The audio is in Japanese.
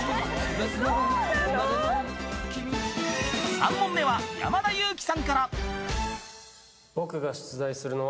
［３問目は山田裕貴さんから］